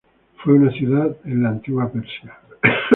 Fue una ciudad en la antigua Persia.